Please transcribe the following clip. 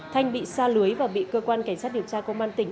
thanh bị sa lưới và bị cơ quan cảnh sát điều tra công an tỉnh